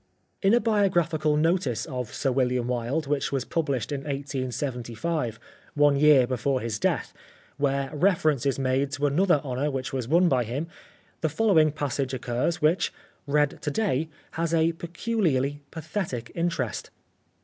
In a biographical notice of Sir William Wilde which was published in 1875, one year before his death, where reference is made to another honour which was won by him, the following passage occurs, which, read to day, has a pe culiarly pathetic interest.